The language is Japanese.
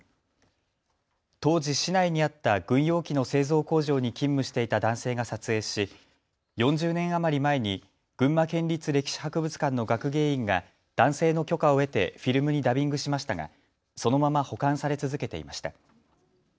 当時、市内にあった軍用機の製造工場に勤務していた男性が撮影し４０年余り前に群馬県立歴史博物館の学芸員が男性の許可を得てフィルムにダビングしましたが、そのまま保管され続けていました。